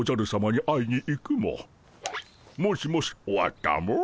もしもし終わったモ。